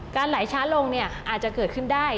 ไหลช้าลงเนี่ยอาจจะเกิดขึ้นได้